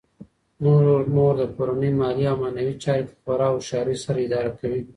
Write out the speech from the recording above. مور د کورنۍ مالي او معنوي چارې په خورا هوښیارۍ سره اداره کوي